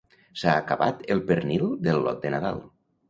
S'ha acabat el pernil del lot de Nadal